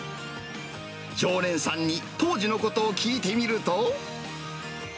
常連さんに、当時のことを聞いてみると。